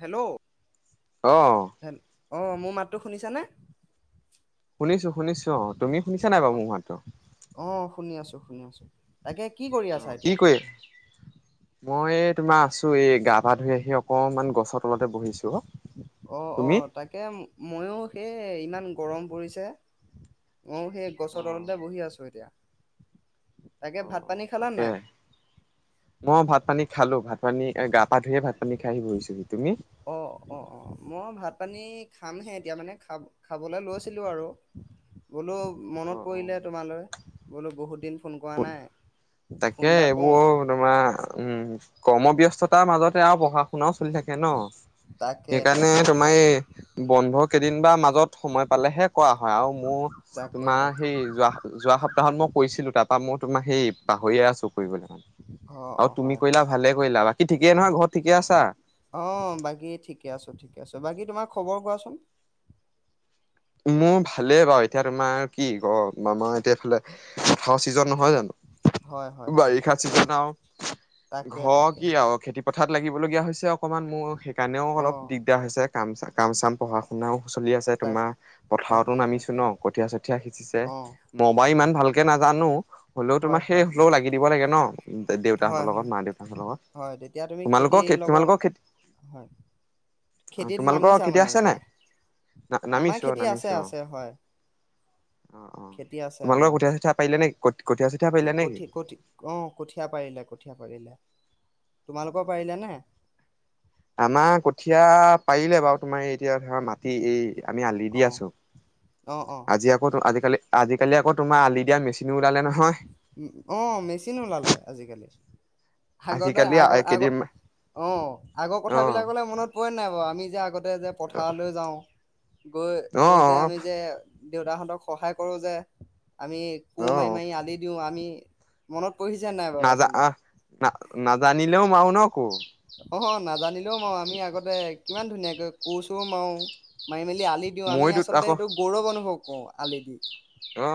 Hello. অ'। Hello অ' মোৰ মাতটো শুনিছানে? শুনিছো শুনিছো অ', তুমি শুনিছা নাই অ বাৰু মোৰ মাতটো? অ শুনি আছো শুনি আছোঁ। তাকে কি কৰি আছা কি এতিয়া? কৰি মই তোমাৰ আছো এই গা-পা ধুই আহি অক অকমান গছ অ' তুমি অ' তাকে, মইও সেই এ ইমান গৰম পৰিছে। অ' সেই অ গছৰ তলতে বহি আছো এতিয়া। তাকে ভাত অ' পানী অ' খালা তাকে। নাই? মই ভাত-পানী খালো। ভাত পানী, গা-পা ধুইহে ভাত-পানী খাই আহি বহিছোহি। তুমি? অ' অ' অ'। মই ভাত-পানী খামহে এতিয়া মানে, খা -খাবলৈ লৈছিলো আৰু। বোলো, অ মনত অ পৰিলে তোমালৈ। বোলো বহুত দিন ফোন কৰা নাই ফোন তাকে এটা কওঁ এইবোৰ তোমাৰ, উম কৰ্মব্যস্ততাৰ মাজত আৰু পঢ়া-শুনাও চলি থাকে ন? তাকে সেইকাৰণে তাকে তোমাৰ তাকে এই বন্ধ কেই দিন বা মাজত সময় পালেহে কৰা হয় আৰু মোৰ, তাকে তোমাৰ তাকে সেই যোৱা-যোৱা সপ্তাহত মই কৈছিলো তাত মই, তোমাৰ সেই পাহৰিয়ে আছো। মানে। অ আৰু অ তুমি হয় কৰিলা হয় ভালে কৰিলা বাকী ঠিকেই নহয় ঘৰত ঠিকে আছা? অ, বাকী ঠিকে আছো ঠিকে আছ বাকী তোমাৰ। খবৰ কোৱাচোন। মোৰ ভালেই বাৰু এতিয়া তোমাৰ কি ক আমাৰ এতিয়া এইফালে কঠালৰ চিজন নহয় জানো? হয় হয় হয় বাৰিষা চিজন আৰু তাকে ঘৰ তাকে কি আৰু খেতি পথাৰ। পথাৰত লাগিবলগীয়া হৈছে। অকণমান মোৰ সেইকাৰণেও অ অলপ দিগদাৰ হৈছে। কাম চা কাম চাম পঢ়া শুনাও। চলি আছে তাক তোমাৰ। পথাৰতো তাকে নামিছো তাকে ন কঠীয়া চঠীয়া সিঁচিছে অ মইবাই ইমান ভালকে নাজানো হলেও হয় তোমাৰ সেই হয় হলেও লাগি দিব লাগে ন। দেউতাহঁতৰ হয় হয় লগত মা দেউতাহঁতৰ লগত। হয় তেতিয়া তুমি তোমালোকৰ খেতিৰ লগত তোমালোকৰ খেতি হয় অ খেতিত তোমালোকৰ নামিছা খেতি মানে আছে এতিয়া নাই ন আমাৰ নামিছো। খেতি আছে নামিছো আছে অ হয়। অ অ খেতি আছে তোমালোকৰ আমাৰ কঠীয়া চঠিয়া পাৰিলে নে? অ, কঠীয়া পাৰিলে কঠীয়া পাৰিলে। তোমালোকৰ পাৰিলেনে? আমাৰ, কঠীয়া পাৰিলে বাৰু তোমাৰ এতিয়া ধৰা মাটি এই। আমি আলি দি অ আছো অ অ আজি আকৌ আলি। আজি আজিকালি আকৌ তোমাৰ আলি দিয়া মেচিনো। ওলালে নহয়। অহ, মেচিন ওলালে আজিকালি। আগতে আজিকালি আগৰ আগৰ কেইদিন অ আগৰ অ কথাবিলাকলে মনত। পৰে নাই বাৰু আমি যে আগত। তে যে পথাৰলৈ যাওঁ। গৈ অ গৈ, যে আমি যে। দেউতাহঁতক সহায় কৰো যে। আমি কু অ মাৰি মাৰি আলি। আমি মনত। পঢ়িছে নাই বাৰু নাজা অ আচলতে না নাজানিলেও মাৰু ন। আকৌ অ নাজানিলেও মই আমি আগতে কিমান ধুনীয়াকে কুৰ চোৰো মাৰি মেলি। আলি দিওঁ আমি মইতো আচলতে আকৌ সেইটো গৌৰৱ অনুভৱ কৰো আলি দি অ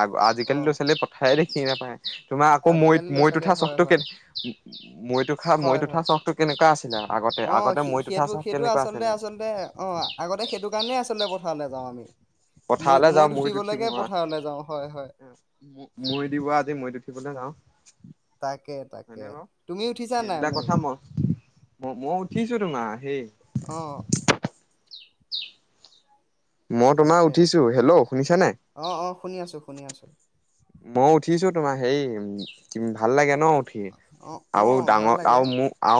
আ অ আজিকালি ল'ৰা ছোৱালীয়ে পথাৰ, দেখি নাপায়। তোমাৰ আকৌ আজিকালি মৈত ল'ৰা মৈত ছোৱালীয়ে উঠা হয় চখটো, কে হয় মৈত হয় মৈত উঠা হয় চখটো কেনেকুৱা আছিলে। আগতে অ আগতে মৈত উঠা সেইটো চখ সেইটো কেনেকুৱা আচলতে আছিলে? আচলতে অ আগতে সেইটো কাৰণেই আচলতে পথাৰলৈ যাওঁ আমি। মই পথাৰলৈ যাওঁ মৈত উঠিব উঠিবলৈকে পথাৰলৈ যাওঁ হয় হয় [unintelligible] মৈত দিব আজি মৈত উঠিবলৈ যাওঁ। হয়নে তাকে-তাকে বাৰু তুমি উঠিছা নাই মৈ? মৈত মই উঠিছো তোমাৰ সেই অহ। [inaudible] মই তোমাৰ তাকে উঠিছো হেল্ল' শুনিছ নাই? অ অ শুনি আছো শুনি আছো। মই উঠিছো তোমাৰ হেই ভাল লাগে। ন উঠি অ অ আৰু ভাল ডাঙৰ লাগে আৰু ম আ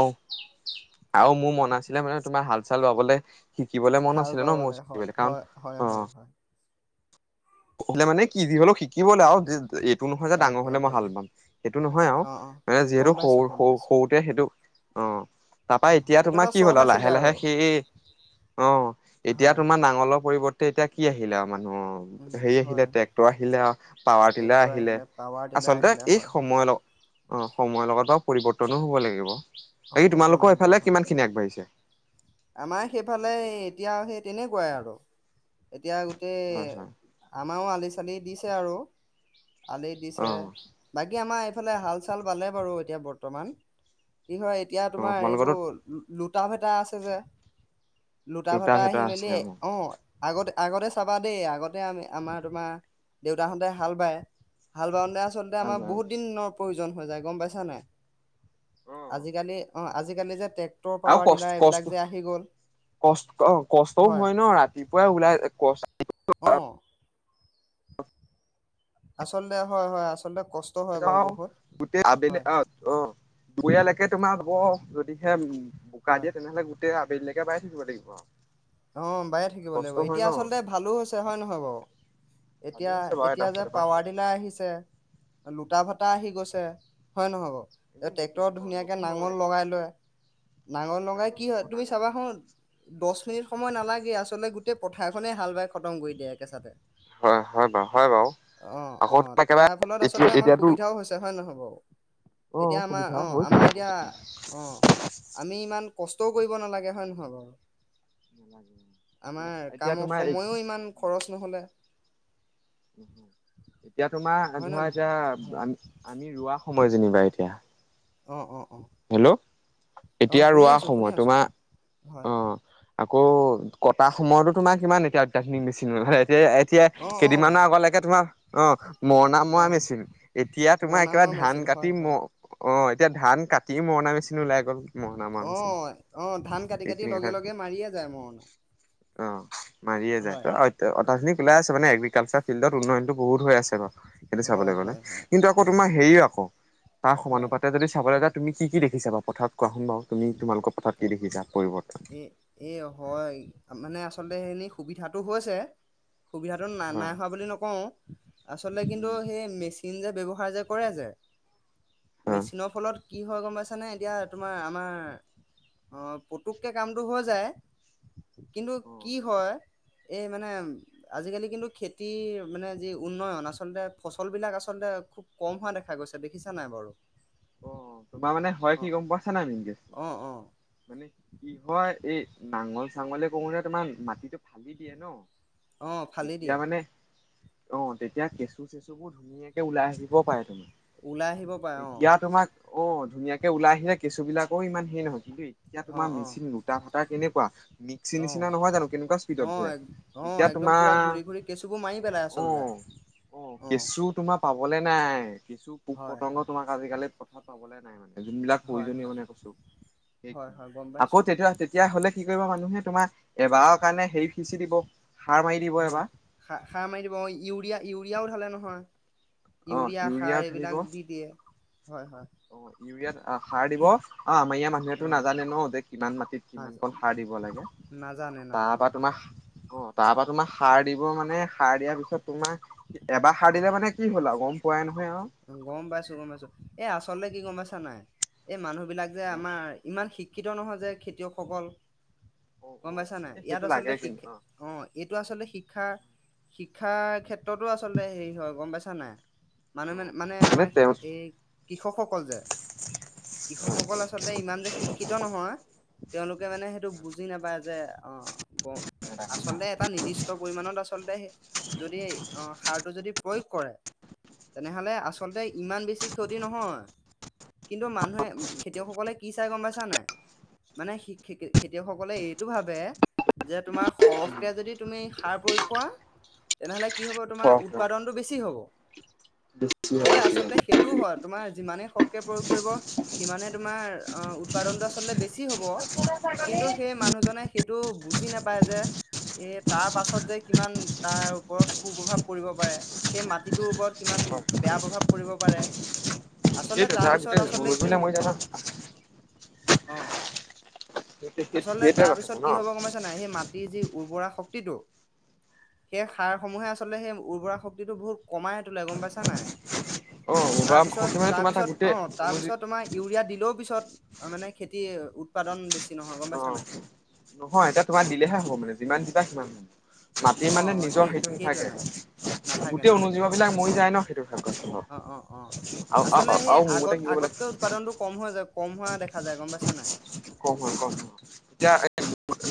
আৰু মোৰ মন আছিলে মানে তোমাৰ হাল চাল বাবলে শিকিবলৈ মন হাল আছিলে ন, বাবলে মোৰ হয় শিকিবলৈ কাৰণ হয় হয় অ হয় হয় কলে মানে কি যিবলে সি কি বলে আও এইটো নহয় যে ডাঙৰ তাকে হলে মই হাল তাকে বাম, সেইটো নহয় আও অ অ এই গম যিহেতু পাইছো গম সৰু-সৰু পাইছো সৰুতে সেইটো অ তাৰাপা অ এতিয়া সেইটো তোমাৰ এটা কি হল চখ আও আছিলে আৰু লাহে-লাহে সেই অ এতিয়া হয় তোমাৰ নাঙলৰ পৰিৱৰ্তন ত এতিয়া কি আহিলে আৰু মানুহৰ উম হেৰি আহিলে হয় ট্ৰেক্টৰ আহিলে আৰু পাৱাৰ টিলাৰ ট্ৰেক্টৰ আহিলে পাৱাৰ টিলাৰ আচলতে আহিলে এই হয় হয় সময়ল অ সময়ৰ লগত বাও পৰিৱৰ্তনো হ'ব লাগিব। হব তোমালোকৰ লাগিব এইফালে হয়। কিমান খিনি আগবাঢ়িছে আমাৰ সেইফালে এতিয়া সেই তেনেকুৱাই আৰু। এতিয়া গোটেই হয় হয় আমাৰও আলিছে চালি দিছে আৰু। আলি অ দিছে বাকি আমা এইফালে হাল-চাল বালে বাৰু এতিয়া বৰ্তমান। কি হয় এতিয়া অ তোমাৰ তোমালোকৰো এইবোৰ টাপ এটা আছে যে? লুটা দুটা ভাটা ভেটা আহি আছে মেলি, অ আগতে আগতে চাবা দেই আগতে আমি আমাৰ তোমাৰ দেউতাহঁতে হাল বায় হাল বায় আচলতে ভাল আমাৰ বাৰু বহুত দিন ন প্ৰয়োজন হৈ যায় গম পাইছা নাই? অ আজিকালি অ আজিকালি যে ট্ৰেক্টৰ আৰু পাৱাৰ টিলাৰ এইবিলাক যে আহি গ'ল কষ্ট-কষ্ট-কষ্ট অ কষ্টও হয় ন? ৰাতিপুৱাই ওলাই কষ্ট অ আচলতে হয় হয় আচলতে কষ্ট হয় বাৰু যাও বহুত গোটেই আবেলি হয় আহ অ দুয়ালৈকে তোমাৰ হ যদিহে উম বোকা হয় দিয়ে তেনেহ'লে তেতিয়া আবেলিলৈকে বাই থাকিব লাগিব আও অ বায়ে থাকিব লাগিব এতিয়া আচলতে ভালো হৈছে হয় নহয় বাৰু ভালো এতিয়া হৈছে বাৰু এটা এতিয়া যে চাইডৰ পৰা পাৱাৰ চাবলৈ গ'লে ডিলাৰ আহিছে ফূটা ভটা আহি গৈছে হয় নহয় বাৰু একদম নতুন ট্ৰেক্টৰত অ ধুনীয়াকে নতুন নতুন নাঙল লগাই লয় নাঙল লগাই নাটন কি অ হয় তুমি নাঙল চাবা খু দহ মিনিট সময় নালাগে আচলতে গোটেই পথাৰখনেই হাল বাই খতম কৰি দিয়ে একেচাে হয় হয় বাৰু হয় বাৰু অ আকৌ অ তোমাৰ একেবাৰে তাৰ ফলত এতিয়া আচলতে আমাৰ এতিয়াতো সুবিধাও হৈছে হয়ে নহয় বাৰু অ এতিয়া আমাৰ সুবিধা অ হৈছে। আমাৰ এতিয়া অ আমি ইমান কষ্টও কৰিব নালাগে হয় নহয় বাৰু নালাগে এতিয়া আমাৰ এতিয়া কামৰ তোমাৰ সময়ো ইমান খৰচ নহলে উম হ এতিয়া তোমাৰ হয় নে ধৰা নহয় এতিয়া হয় আমি ৰোৱা সময় যেনিবা এতিয়া তেতিয়া অ, অ হেল্ল', অ এতিয়া শুনি ৰোৱা আছো শুনি সময়ত আছো তোমাৰ হয় আহ আকৌ কটা সময়তো তোমাৰ কিমান এতিয়া অত্যাধুনিক মেচিন নল এ এতিয়া অ', অ', কেইদিনমানৰ আগলৈকে তোমাৰ অ মৰণা মৰা অ', মেচিন এতিয়া তোমাৰ মৰণা একেবাৰে মৰা ধান মেচিন কাটি ম অ এতিয়া ধান কাট অহ, অহ ধান কাটি কাটি এইখিনি লগে, কথা লগে মাৰিয়ে যায় মৰণা অ মাৰিয়ে যায় তো হয় ক ক্া [unintelligible] মানে এগ্ৰিকালচাৰ ফিল্ডত উন্নয়নো বহুত হৈ আছে, বাৰু সেইটো হয়, চাবলৈ গলে হয়, হয়, কিন্তু আকৌ হয়, তোমাৰ হেৰিও আকৌ তাৰ হয়। সমানুপাতে যদি চাবলৈ যায় কি, কি দেখিছা বা পথাৰত কোৱা চোন বাৰু তুমি তোমালোকৰ পথাৰত কি দেখিছা পৰিৱৰ্তন এ, এ হয় মানে আচলতে খিনি সুবিধাটো হৈছে। সুবিধাতটো নাই, হয় নাই হোৱা বুলি নকওঁ। আচলতে কিন্তু সেই মেচিন। চিন যে ব্যৱহাৰ যে কৰে যে। মেচিনৰ ফলত। কি হয় গম পাইছানে এতিয়া তোমাৰ আমাৰ। অ পতুককৈ কামটো হৈ যায়। কিন্তু অ কি হয় এই মানে আজিকালি কিন্তু খেতিৰ মানে যি উন্নয়ন আচলতে ফচল বিলাক আচলতে খুব কম হোৱা দেখা গৈছে দেখিছা নাই বাৰু। অ তোমাৰ মানে হয় অ কি গম পাইছা নাই নিজে। অ অ মানে কি হয় এই নাঙল চাঙলে কৰোতে তোমাৰ মাটিটো ফালি দিয়ে ন। অ ফালি তেতিয়া দিয়ে? মানে অ তেতিয়া কেঁচু চেচু বোৰ ধুনীয়াকে ওলাই আহিবও পাৰে তুমাৰ। ওলাই আহিব পাৰে অ। ইয়াত তোমাক? অ' ধুনীয়াকে ওলাই আহিলে, কেচু বিলাকৰ ইমান হেৰি নহয় কিন্তু এতিয়া অ তোমাৰ অ মেচিন গোটা ফটা কেনেকুৱা মিক্সিৰ অ নিচিনা নহয় জানো। কেনেকুৱা স্পীডত অ ঘূৰে এক- অ এতিয়া একদম তোমাৰ পুৰা ঘূৰি ঘূৰি কেঁচুবোৰ মাৰি পেলাই আচলতে অ' আহ অ কেঁচু তোমাৰ পাব ক'লে নাই কেঁচু হয় পোক-পতংগ হয় আজি-কালি পথাৰত পাবলৈ নাই মানে। যোনবিলাক হয় প্ৰয়োজনীয় হয় মানে কেঁচু, হয় সেইখিনি হয় গম আকৌ পাইছো তেতিয়া-তেতিয়া হলে, কি কৰিব মানুহে তোমাৰ এবাৰৰ কাৰণে হেৰি সিঁচি দিব, সাৰ মাৰি দিব হয়, এবাৰ সা-সাৰ মাৰি দিব অ' ইউৰিয়া ইউৰিয়াও ধালে নহয়। হয়, অ ইউৰিয়া সাৰ ঢালিব এইবিলাক দি দিয়ে। হয় হয় অ' ইউৰিয়াত আহ, সাৰ দিব। অ' আমাৰ ইয়াৰ মানুহেতো নাজানে ন যে কিমান মাটিত কিমান অ কণ সাৰ দিব লাগে। নাজানে তাৰ নাজানে পৰা তোমাৰ নাজানে অ' তাৰ পৰা তোমাৰ সাৰ দিব মানে সাৰ দিয়াৰ পিছত তোমাৰ এবাৰ সাৰ দিলে মানে কি হ'ল আৰু গম পোৱাই নহয় আৰু। অ গম পাইছো গম পাইছো এ আচলতে কি গম আছা নাই। এই মানুহ বিলাক যে, আমাৰ ইমান শিক শিক্ষিত নহয় যে খেতিয়কসকল। অ অ গম পাইছা নাই, এই ইয়াত সেইটো লাগে আচলতে কিন্তু শিকা অ' এইটো আচলতে শিক্ষা শিক্ষাৰ ক্ষেত্ৰতো আচলতে বোলে হেৰি হয় গম পাইছা নাই। মানুহ অ মানে, আমাৰ এই কৃষকসকল যে কৃষকসকল আচলতে ইমান যে শিক্ষিত নহয়। তেওঁলোকে, মানে সেইটো বুজি নাপায় যে, অ গ আচলতে এটা নিৰ্দিষ্ট পৰিমানত আচলতে যদি, অ যদি প্ৰয়োগ কৰে, তেনেহলে আচলতে ইমান বেছি ক্ষতি নহয়। কিন্তু মানুহে খেতিয়ক সকলে কি চাই গম পাইছা নে নাই, মানে খে খে খেতিয়কসকলে এই টো ভাবে যে সৰহকৈ যদি সাৰ প্ৰয়োগ কৰা, তেনে হলে কি হব তোমাৰ উৎপাদনটো বেছি হ'ব। হয়, আচলতে সেইটোও হয়। তোমাৰ যিমানেই সৰহকে প্ৰয়োগ কৰিব‌ সিমানেই তোমাৰ উৎপাদনটো আচলতে বেছি হ'ব। কিন্তু সেই মানুহজনে সেইটো বুজি নাপায় যে, এই তাৰ পাছত যে কিমান তাৰ ওপৰত কু প্ৰভাৱ পৰিব পাৰে, সেই মাটিটোৰ ওপৰত কিমান বেয়া প্ৰভাৱ পৰিব পাৰে। আচলতে তাৰপিছত [unintelligible] অহ। আচলতে সেইটোৱে তাৰ কথাটো পিছত ন কি হব গম পাইছা নে নাই সেই মাটিৰ যি উৰ্বৰা শক্তিটো সেই সাৰসমূহে আচলতে সেই উৰ্বৰা শক্তিটো বহুত কমাই তোলে গম পাইছা নাই। অ বা মানে তোমাৰ তাৰ তাৰপিছত-তাৰপিছত গোটেই অ অনুজীৱ তাৰপিছত তোমাৰ ইউৰিয়া দিলেও পিছত মানে খেতি উৎপাদন বেছি নহয় গম অ পাইছা নাই নহয় এতিয়া অ তোমাৰ দিলেহে হ'ব মানে যিমান দিবা সিমান। মাটিৰ অ মানে নিজৰ সেই সেইটো সেইটোৱে মানে নাথাকে নাথাকে গোটেই নাথাকে অনুজীৱ হয় বিলাক মৰি যায় ন সেইটো ভাগ অ অ অ আৰু আচলতে সেই আৰু মোৰ আগত মতে কি কৰিব আগতকৈ উৎপাদনটো কম হৈ যায় কম হোৱা দেখা যায় গম পাইছা নাই লাগে কম হয় কম। এতিয়া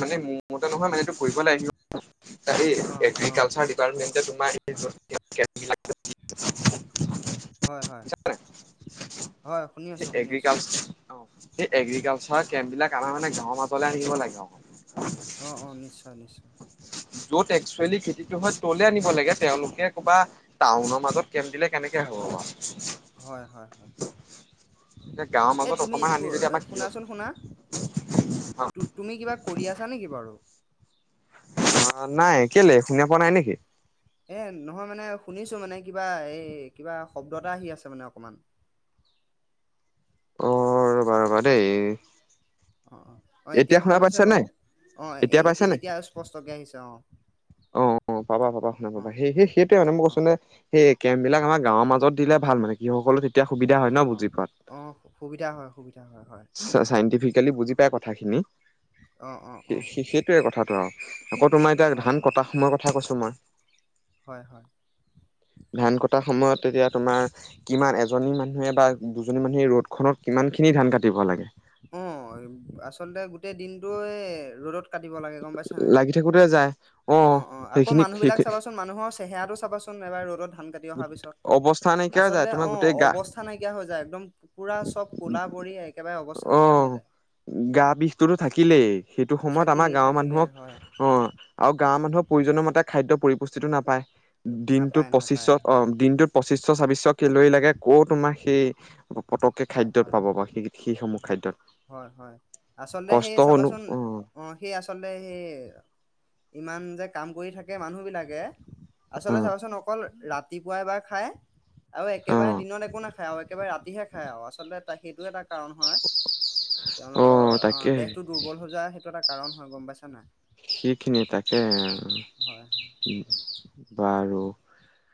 মানে মতে নহয় মানে এইটো কৰিবলৈ আহিব। অ। তাকে অ অ এগ্ৰিকালচাৰ ডিপাৰ্মেণ্ট এ তোমাৰ ঠিক আছে। হয় হয়, হয় শুনি আছো, শুনি আছো। এগ্ৰিকালচাৰ অ সেই এগ্ৰিকালচাৰ কেম্প বিলাক আমাৰ মানে গাৱৰ মাজলে আনিব লাগে অ। অ অ নিশ্চয় নিশ্চয় য'ত একচুৱেলি খেতিটো হয় তলে আনিব লাগে তেওঁলোকে ক'বা টাউনৰ মাজত কেম্প দিলে কেনেকে হ'ব বাৰু হয় হয়। এতিয়া গাঁৱৰ এ মাজত তুমি অকমান ত আনি যদি শুনাচোন আমাক শুনা তুমি কিবা কৰি আছা নেকি বাৰু? অ নাই, কেলে শুনি পোৱা নাই নেকি? এ নহয় মানে শুনিছো মানে কিবা এই কিবা শব্দ এটা আহি আছে মানে অকমান। অ, ৰবা ৰবা অ দেই। অ অ অ এতিয়া শুনা ভাল হৈছে পাইছা নাই? বাৰু অ এ এতিয়া পাইছা নাই? এতিয়া স্পষ্টকে আহিছে অ অ অ পাবা পাবা শুনা অ পাবা। সেই সেই সেইটোৱে মানে মই অ কৈছো নে সেই কেম্পবিলাক আম গাঁৱৰ মাজত দিলে ভাল মানে কি সকল অ অ সুবিধা হয়, সুবিধা হয়। হয় চা-চাইণ্টিফিক আজিকালি বুজি পায় কথাখিনি। অ অ অ সেই, সেইটোয়ে কথাটো আৰু আকৌ তোমাৰ এতিয়া হয় ধান হয় কটা সময়ৰ কথা কৈছো মই, হয় হয় ধান কটা সময়ত এতিয়া তোমাৰ কিমান এজনী মান মানে বা দুজনী মানুহে এই ৰ'দখনত কিমান খিনি ধান কাটি দিব লাগে। অ, আচলতে গোটেই দিনটোয়ে ৰ'দত কাটিব লাগে, গম পাইছ নে, লাগি থাকোতে যায়। অ- অ আকৌ মানুহ বিলাক সেইখিনি চাবাচোন, মানুহৰ চেহেৰাটো চাবাচোন, এবাৰ ৰ'দত ধান কাটি অহাৰ পিছত, অৱস্থা নাইকিয়া হৈ যায় আচলতে তোমাৰ অ গোটেই গা অৱস্থা নাইকিয়া হৈ যায়, একদম পোৰা চব কলা পৰি একেবাৰে অৱস্থা নাইকিয়া হৈ যায়। গা বিষটোতো থাকিলেই, সেইটো সময়ত আমাৰ থাকিলেই গাঁৱৰ থাকিলেই মানুহক, হয় অ আৰু গাঁৱৰ মানুহক প্ৰয়োজনীয় মতে খাদ্য পৰিপুষ্টিটো নাপায়। দিনটো নাপায় নাপায় পঁচিছত অ, হয় দিনটোত পঁচিছশ ছাবিছশ কেলৰি লাগে গে আকৌ তোমাৰ সেই পতককে খাদ্যত হয়-হয় পাব বা সেই সেইসমূহ -হয় খাদ্যত -হয় -হয়, আচলতে সেই কষ্ট অনু চাবাচোন অ অ', সেই আচলতে সেই, ইমান যে', কাম কৰি থাকে মানুহ বিলাকে, অ আচলতে চাবাচোন অকল, ৰাতিপুৱা এবাৰ খায় আৰু অ একেবাৰে দিনত একো-নাখায আৰু একেবাৰে ৰাতিহে খ, আৰু আচলতে সেইটোয়ে তাক, কাৰণ হয়, অ তেওঁলোকৰ অ', তাকে দেহটো দুৰ্বল হৈ যোৱাৰ সেইটো এটা কাৰণ হয়, গম পাইছা নাই? সেইখিনিয়ে তাকে, হয় বাৰু, [unintelligible]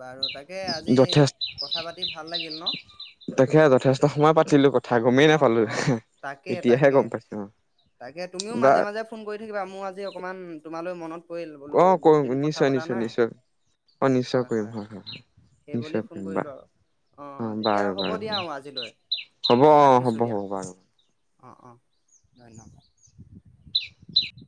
বাৰত, তাকে, আজি যথেষ্ট কথা-পাতি ভাল লাগিল ন', তাকে যথেষ্ট সময় পাতিলো কথা গমেই অ', নাপালো - অ', এতিয়াহে গম পাইছো অ তাকে-তাকে-তাকে তুমিও বা মাজে- -মাজে ফোন কৰি থাকিবা মোৰ আজি অকমান তোমালৈ মনত, পৰিল বোলো অ', বহুত কৰিম দিন কথা পতা নাই। নিশ্চয়-নিশ্চয়-নিশ্চয় অ', - নিশ্চয় ', হয় কৰিম হয় হয়-হয়-হয় সেইবুলি নিশ্চয় ফোন কৰিম কৰিলো বাৰু আৰু। অ', তেতিয়া বাৰু- হ'ব বাৰু দিয়া আৰু আজিলৈ হ'ব। অ', ৰাখিছোঁ হ'ব দিয়া -হ'ব বাৰু। অ', - অ', ধন্যবাদ।